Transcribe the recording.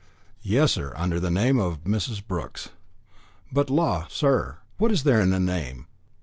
"Yes, sir, under the name of Mrs. Brooks. But law! sir, what is there in a name?